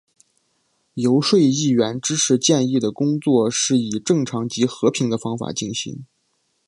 游说议员支持建议的工作是以正常及和平的方法进行。